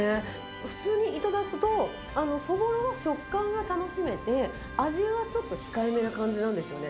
普通に頂くと、そぼろは食感が楽しめて、味はちょっと控えめな感じなんですよね。